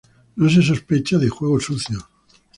No se sospecha de juego sucio.